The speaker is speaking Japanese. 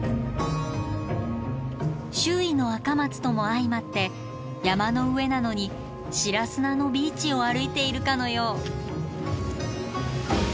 周囲のアカマツとも相まって山の上なのに白砂のビーチを歩いているかのよう。